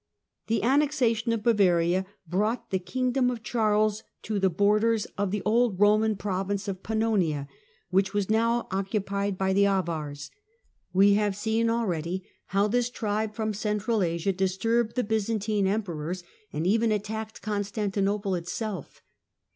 The annexation of Bavaria brought the kingdom of The Avars Charles to the borders of the old Roman province of Pannonia, which was now occupied by the Avars. We have seen already how this tribe from Central Asia disturbed the Byzantine emperors and even attacked Constantinople itself.